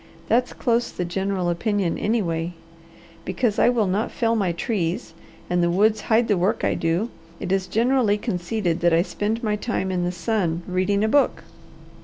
That's close the general opinion, anyway. Because I will not fell my trees, and the woods hide the work I do, it is generally conceded that I spend my time in the sun reading a book.